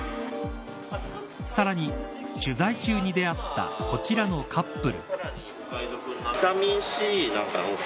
さらに取材中に出会ったこちらのカップル。